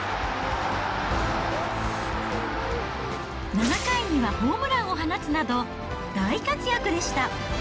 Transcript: ７回にはホームランを放つなど、大活躍でした。